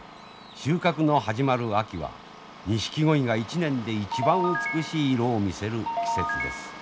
収穫の始まる秋はニシキゴイが一年で一番美しい色を見せる季節です。